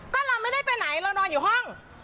ก็เราไม่ได้ไปไหนเรานอนอยู่ห้อง